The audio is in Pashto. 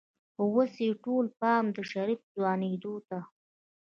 خو اوس يې ټول پام د شريف ځوانېدو ته و.